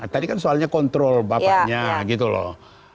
tadi kan soalnya kontrol bapaknya gitu loh